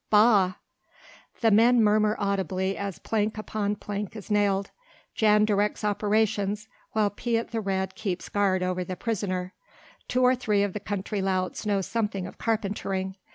Bah! The men murmur audibly as plank upon plank is nailed. Jan directs operations whilst Piet the Red keeps guard over the prisoner. Two or three of the country louts know something of carpentering.